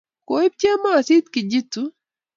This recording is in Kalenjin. Koib chemosit Kijitu?